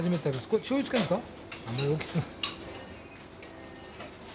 これしょうゆつけるんですか？